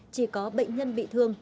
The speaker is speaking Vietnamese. chỉ có bệnh nhân bị thương